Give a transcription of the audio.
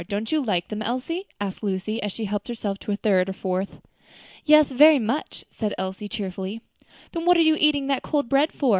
Don't you like them, Elsie?" asked Lucy, as she helped herself to a third or fourth. "Yes, very much," said Elsie, cheerfully. "Then what are you eating that cold bread for?